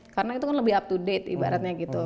karena itu kan lebih up to date ibaratnya gitu